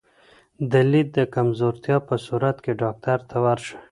د لید د کمزورتیا په صورت کې ډاکټر ته ورشئ.